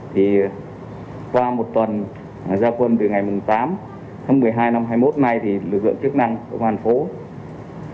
thì qua một tuần gia quân từ ngày tám tháng một mươi hai năm hai mươi một nay thì lực lượng chức năng công an tp hcm